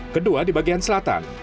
kedua di bagian selatan